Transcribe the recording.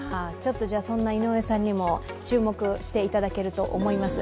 そんな井上さんにも注目していただけると思います。